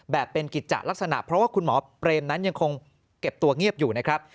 เป็นกิจจะลักษณะเพราะว่าคุณหมอเปรมนั้นยังคงเก็บตัวเงียบอยู่นะครับ